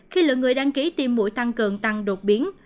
khi lượng người đăng ký tiêm mũi tăng cường tăng đột biến